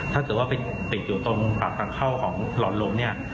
ถ้าเกิดว่าไปติดอยู่ตรงปากทางเข้าของหลอดลมเนี่ย